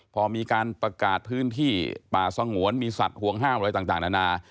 พอมีการประกาศพื้นที่ป่าสงวนมีสัตว์ห่วงห้ามอะไรต่างนานา